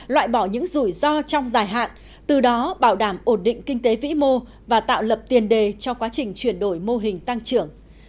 loại bỏ những rủi ro trong dài hạn từ đó bảo đảm ổn định kinh tế vĩ mô và tạo lập tiền đề cho quá trình chuyển đổi mô hình tăng trưởng